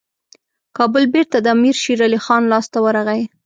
کابل بیرته د امیر شېرعلي خان لاسته ورغی.